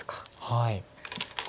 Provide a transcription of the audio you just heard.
はい。